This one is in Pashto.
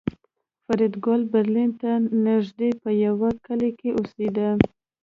فریدګل برلین ته نږدې په یوه کلي کې اوسېده